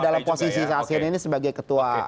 ya dalam posisi saat ini sebagai ketua